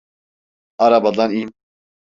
Arabadan in!